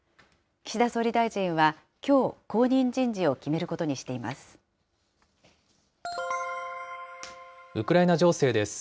岸田総理大臣はきょう、後任人事を決めることにしています。